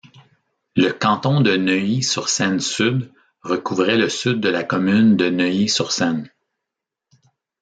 Le canton de Neuilly-sur-Seine-Sud recouvrait le sud de la commune de Neuilly-sur-Seine.